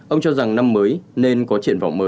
ông cho rằng năm mới nên có triển vọng mới